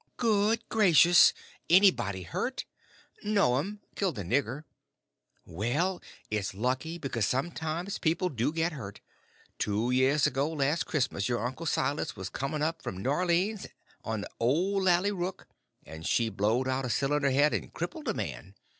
"Good gracious! anybody hurt?" "No'm. Killed a nigger." "Well, it's lucky; because sometimes people do get hurt. Two years ago last Christmas your uncle Silas was coming up from Newrleans on the old Lally Rook, and she blowed out a cylinder head and crippled a man.